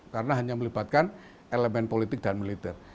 karena hanya melibatkan elemen politik dan militer